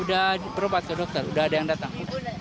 sudah berobat ke dokter udah ada yang datang